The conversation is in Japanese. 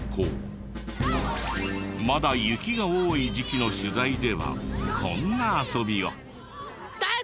まだ雪が多い時期の取材ではこんな遊びを。